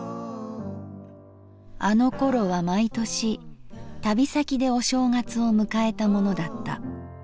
「あの頃は毎年旅先でお正月を迎えたものだった。